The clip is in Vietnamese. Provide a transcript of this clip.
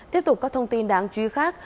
tiếp tục các thông tin đáng chú ý khác